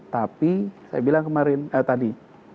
tapi saya bilang kemarin tadi